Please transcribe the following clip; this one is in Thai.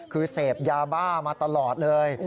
คือเสพยาบ้ามาตลอดเลย